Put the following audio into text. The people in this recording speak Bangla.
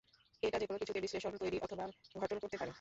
এটা যেকোনো কিছুকে বিশ্লেষণ, তৈরি অথবা গঠন করতে পারে।